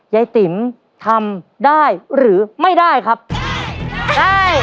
ยายติ๋มทำได้หรือไม่ได้ครับได้